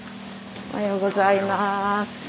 おはようございます。